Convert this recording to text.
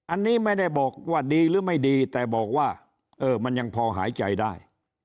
อันนี้ไม่ได้บอกว่าดีหรือไม่ดีแต่บอกว่าเออมันยังพอหายใจได้